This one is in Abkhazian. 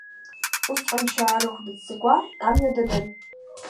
Усҟан Ҷаарыхә дыццакуа амҩа данын.